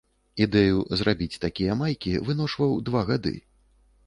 Ідэю зрабіць такія майкі выношваў два гады.